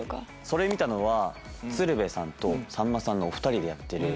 それ見たのは鶴瓶さんとさんまさんがお２人でやってる。